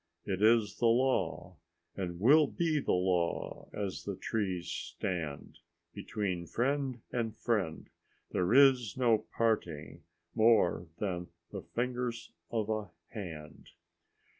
It is the law And will be the law as the trees stand. Between friend and friend there is no parting More than the fingers of a hand."